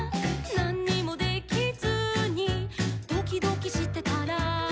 「なんにもできずにドキドキしてたら」